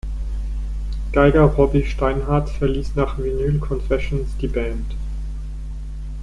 Geiger Robby Steinhardt verließ nach "Vinyl Confessions" die Band.